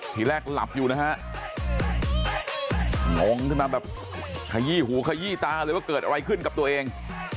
ทีแรกหลับอยู่นะฮะงงขึ้นมาแบบขยี้หูขยี้ตาเลยว่าเกิดอะไรขึ้นกับตัวเอง